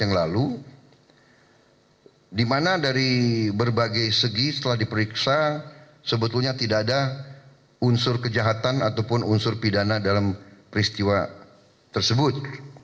dua ribu tujuh belas yang lalu di mana dari berbagai segi setelah diperiksa sebetulnya tidak ada unsur kejahatan ataupun unsur pidana dalam peristiwa tersebut